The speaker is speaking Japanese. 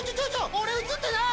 俺映ってない！